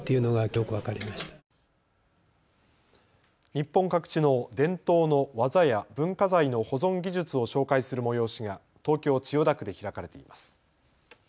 日本各地の伝統の技や文化財の保存技術を紹介する催しが東京千代田区で開かれています。